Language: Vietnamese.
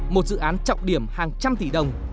một dự án trọng điểm hàng trăm tỷ đồng